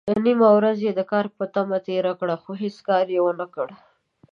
نيمه ورځ يې د کار په تمه تېره کړه، خو هيڅ کار يې ونکړ.